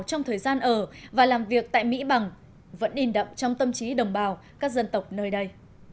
trong thời gian ở và làm việc tại mỹ bằng vẫn in đậm trong tâm trí đồng bào các dân tộc nơi đây